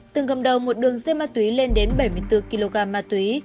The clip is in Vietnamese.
từng gầm đầu một đường dây ma túy lên đến bảy mươi bốn kg ma túy